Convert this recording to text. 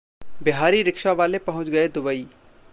Bihari rickshaw वाले पहुंच गए दुबई!